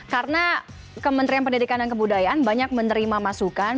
karena kementerian pendidikan dan kebudayaan banyak menerima masukan